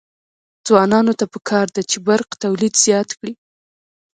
ځوانانو ته پکار ده چې، برق تولید زیات کړي.